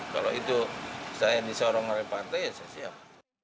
kalau itu saya yang bisa orang karir partai ya saya siap